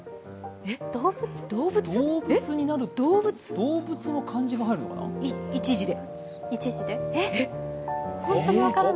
動物の漢字が入るのかな？